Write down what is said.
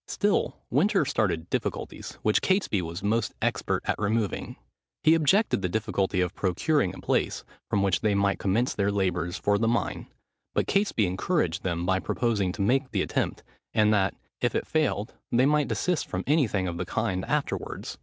Still Winter started difficulties, which Catesby was most expert at removing. He objected the difficulty of procuring a place, from which they might commence their labours for the mine; but Catesby encouraged him by proposing to make the attempt, and that, if it failed, they might desist from any thing of the kind afterwards.